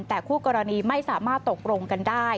แต่คู่กรณีไม่สามารถตกลงกันได้